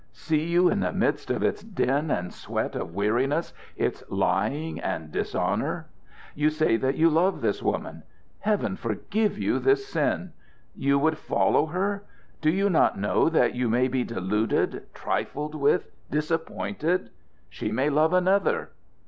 See you in the midst of its din and sweat of weariness, its lying and dishonor? You say that you love this woman. Heaven forgive you this sin! You would follow her. Do you not know that you may be deluded, trifled with, disappointed? She may love another.